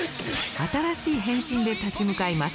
新しい変身で立ち向かいます。